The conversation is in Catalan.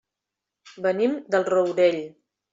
Venim del Rourell.